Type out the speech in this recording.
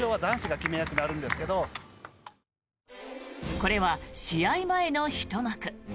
これは試合前のひと幕。